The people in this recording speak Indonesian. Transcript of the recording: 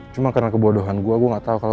cuman karna kebodohan gue gue nggak tau kalo